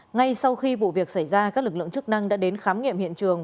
ngay sau khi vụ việc xảy ra các lực lượng chức năng đã đến khám nghiệm hiện trường